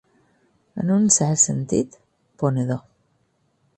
En un cert sentit, ponedor.